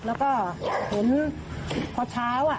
แล้วก็เห็นพอเช้า